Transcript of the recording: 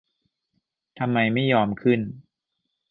ทำไมไม่ยอมขึ้น